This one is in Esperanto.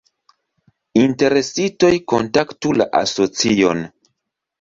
Interesitoj kontaktu la Asocion.